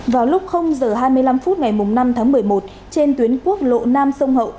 vào lúc giờ hai mươi năm phút ngày năm tháng một mươi một trên tuyến quốc lộ nam sông hậu